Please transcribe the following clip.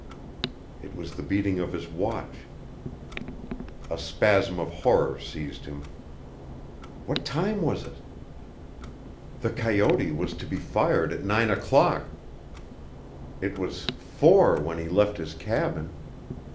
It was the beating of his watch. A spasm of horror seized him. What time was it? The coyote was to be fired at nine o'clock. It was four when he left his cabin.